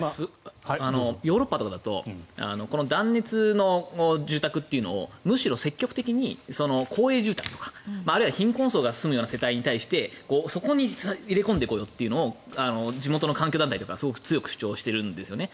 ヨーロッパとかだと断熱の住宅というのをむしろ積極的に公営住宅とかあるいは貧困層とかが住む世帯に対してそこに入れ込んでいこうよというのを地元の環境団体とかは強く主張しているんですね。